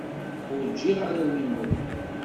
Ur jjiɣ arraw-inu.